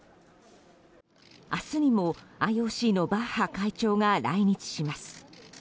明日にもＩＯＣのバッハ会長が来日します。